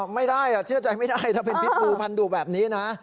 ไม่ได้เชื่อใจไม่ได้ถ้าเป็นพิษบูพันธุแบบนี้นะ